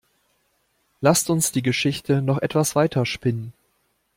Lasst uns die Geschichte noch etwas weiter spinnen.